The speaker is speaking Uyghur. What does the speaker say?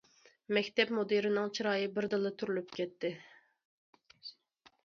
مەكتەپ مۇدىرىنىڭ چىرايى بىردىنلا تۈرۈلۈپ كەتتى.